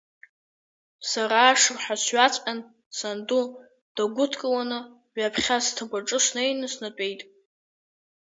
Сара ашырҳәа сҩаҵҟьан, санду даагәыдкыланы, ҩаԥхьа сҭыԥ аҿы снеины снатәеит.